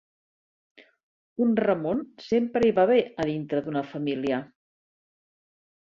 Un Ramon sempre hi va bé a dintre d'una família